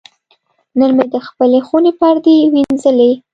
نن مې د خپلې خونې پردې وینځلې.